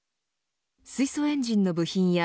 水素エンジンの部品や